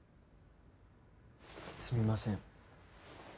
すみません。